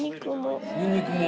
ニンニクも？